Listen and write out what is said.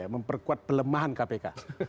memperkuat pelemahan kpk